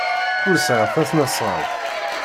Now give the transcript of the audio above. Ur sɛiɣ tasnasɣalt.